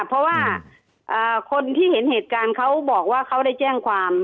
เพราะว่าคนที่เห็นเหตุการณ์เขาบอกว่าเขาได้แจ้งความ